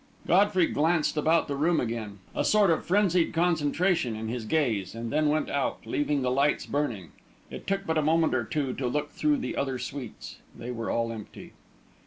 Godfrey glanced about the room again, a sort of frenzied concentration in his gaze, and then went out, leaving the lights burning. It took but a moment or two to look through the other suites. They were all empty.